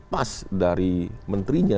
pas dari menterinya